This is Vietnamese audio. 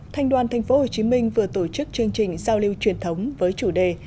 thành đoàn tp hcm vừa tổ chức chương trình giao lưu truyền thống với chủ đề